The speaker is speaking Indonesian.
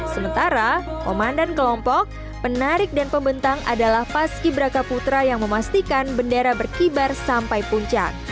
sementara komandan kelompok penarik dan pembentang adalah paski beraka putra yang memastikan bendera berkibar sampai puncak